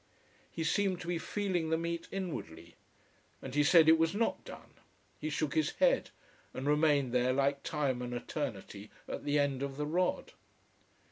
He seemed to be feeling the meat inwardly. And he said it was not done. He shook his head, and remained there like time and eternity at the end of the rod.